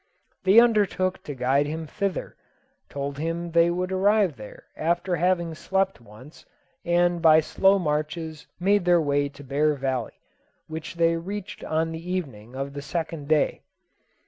They undertook to guide him thither told him they would arrive there after having slept once, and by slow marches made their way to Bear Valley, which they reached on the evening of the second day.